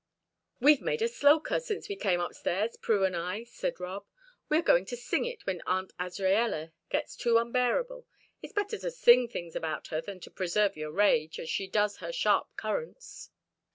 "We've made a 'sloka' since we came upstairs Prue and I," said Rob. "We are going to sing it when Aunt Azraella gets too unbearable; it's better to sing things about her than to preserve your rage, as she does her sharp currants."